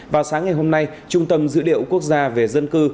vào sáng ngày hôm nay trung tâm dữ liệu quốc gia về dân cư